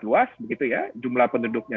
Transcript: luas begitu ya jumlah penduduknya